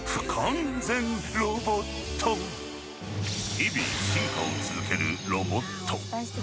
日々進化を続けるロボット。